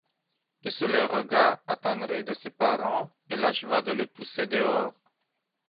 Et, sous les regards attendris de ses parents, elle acheva de les pousser dehors.